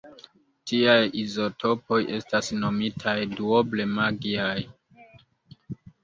Tiaj izotopoj estas nomitaj "duoble magiaj".